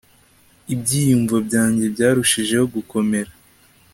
Ibyiyumvo byanjye byarushijeho gukomera